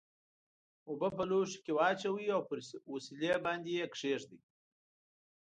اوبه په لوښي کې واچوئ او پر وسیلې باندې یې کیږدئ.